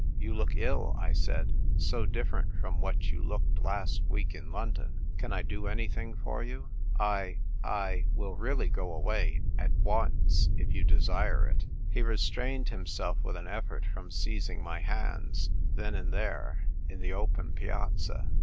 " You look ill," I said ;" so different from what you looked last week in London. Can I do anything for you ? I — I will really go away — at once — if you desire it." He restrained himself with an effort from seizing my hands, then and there, in the open Piazza.